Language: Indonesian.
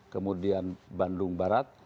kemudian bandung barat